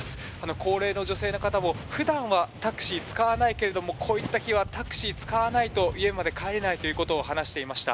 高齢の女性の方も、普段はタクシー、使わないけれどもこういった日はタクシーを使わないと家まで帰れないということを話していました。